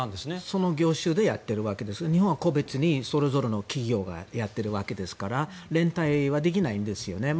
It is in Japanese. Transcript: その業種でやっているわけですが日本は個別にそれぞれの企業がやっているわけですから連帯はできないんですよね。